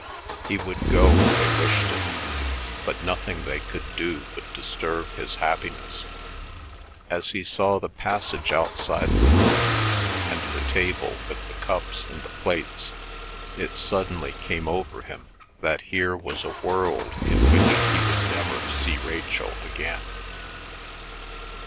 He would go if they wished it, but nothing they could do would disturb his happiness. As he saw the passage outside the room, and the table with the cups and the plates, it suddenly came over him that here was a world in which he would never see Rachel again.